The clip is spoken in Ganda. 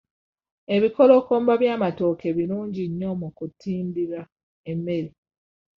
Ebikolokomba by'amatooke birungi nnyo mu kutindira emmere.